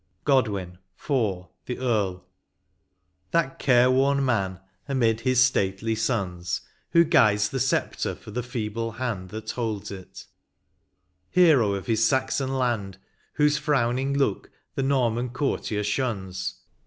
165 LXXXII. GODWIN. — IV. THE EARL. That care worn man, amid his stately sons, Who guides the sceptre for the feeble hand That holds it; hero of his Saxon land, Whose frowning look the Norman courtier shuns.